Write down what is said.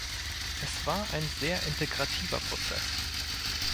Es war ein sehr integrativer Prozess.